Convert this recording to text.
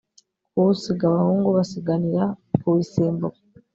kuwusiga abahungu basiganira kuwisimbuka